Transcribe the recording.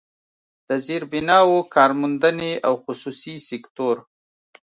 د زيربناوو، کارموندنې او خصوصي سکتور